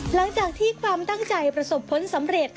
หลังจากที่ความตั้งใจประสบผลสำเร็จ